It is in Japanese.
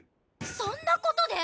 そんなことで！？